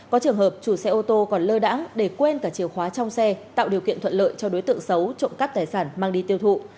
có trường hợp chủ xe ô tô còn lơ đã để quên cả chiều khóa trong xe tạo điều kiện thuận lợi cho đối tượng xấu trộm cắp tài sản mang đi tiêu thụ